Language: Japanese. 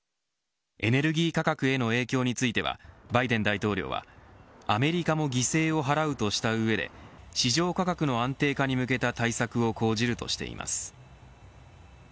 エネルギー価格への影響についてはバイデン大統領はアメリカも犠牲を払うとした上で市場価格の安定化に向けた対策を講じるとしています。